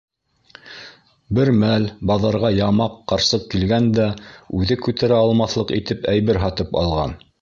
Бер мәл баҙарға ямаҡ ҡарсыҡ килгән дә үҙе күтәрә алмаҫлыҡ итеп әйбер һатып алған.